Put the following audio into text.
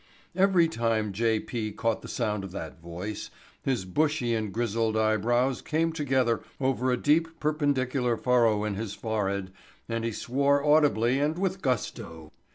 Every time J. P. caught the sound of that voice his bushy and grizzled eye brows came together over a deep perpendicular furrow in his forehead and he swore audibly and with gusto.